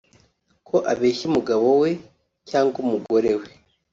ko abeshya umugabo we cyangwa umugore we